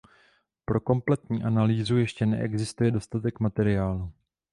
Pro kompletní analýzu ještě neexistuje dostatek materiálu.